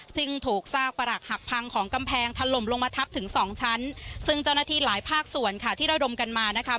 ซึ่งถูกซากประหลักหักพังของกำแพงถล่มลงมาทับถึงสองชั้นซึ่งเจ้าหน้าที่หลายภาคส่วนค่ะที่ระดมกันมานะคะ